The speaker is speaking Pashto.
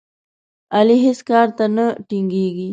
علي هېڅ کار ته نه ټینګېږي.